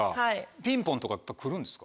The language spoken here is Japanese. ピンポンとか来るんですか？